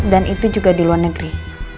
dan itu juga di luar negeri